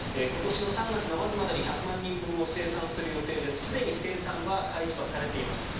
今年の３月末までに１００万人分を生産する予定ですでに生産開始されています。